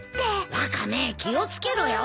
ワカメ気を付けろよ。